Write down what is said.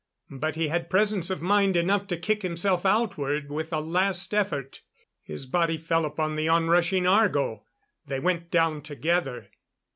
But he had presence of mind enough to kick himself outward with a last effort. His body fell upon the onrushing Argo. They went down together.